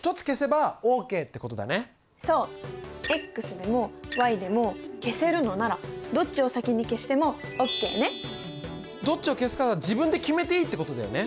でもでも消せるのならどっちをどっちを消すかは自分で決めていいってことだよね。